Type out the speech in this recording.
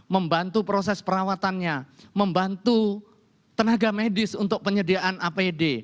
membantu proses perawatannya membantu tenaga medis untuk penyediaan apd